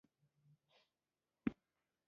ښوونځی د علم کور دی.